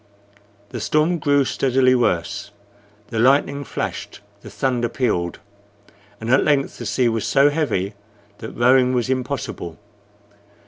The storm grew steadily worse; the lightning flashed, the thunder pealed, and at length the sea was so heavy that rowing was impossible.